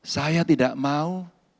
saya tidak mau